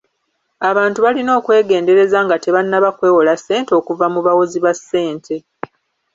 Abantu balina okwegendereza nga tebannaba kwewola ssente okuva mu bawozi ba ssente.